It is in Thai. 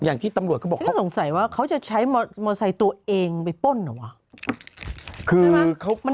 อย่างที่ตำรวจเขาบอกเขาสงสัยว่าเขาจะใช้มอเตอร์ไซค์ตัวเองไปป้นเหรอวะ